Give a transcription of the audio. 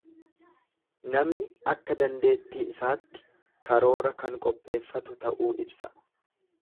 Nami akka dandeettii isaatti karoora kan qopheeffatu ta'uu ibsa.